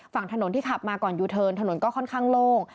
ฝั่งถนนที่ขับมาก่อนยูเทิร์นถนนก็ค่อนข้างโล่ง